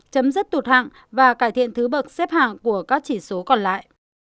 chấm dứt tụt hạng và cải thiện thứ bậc xếp hạng của các chỉ số còn lại